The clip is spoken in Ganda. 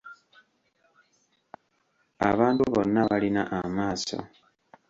Abantu bonna balina amaaso.